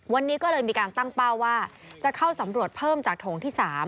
วันนี้ก็เลยมีการตั้งเป้าว่าจะเข้าสำรวจเพิ่มจากโถงที่๓